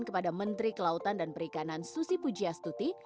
kepada menteri kelautan dan perikanan susi pujiastuti